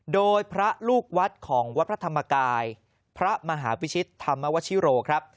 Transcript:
โดยพระลูกวัดของวัดพระธรรมกายพระมหาพิชิตธรรมวชิโรครับ